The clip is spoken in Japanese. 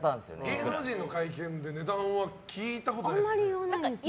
芸能人の会見で値段はあまり聞いたことないですよね。